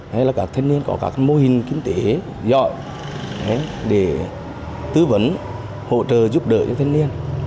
hay là các thanh niên có các mô hình kinh tế giỏi để tư vấn hỗ trợ giúp đỡ cho thanh niên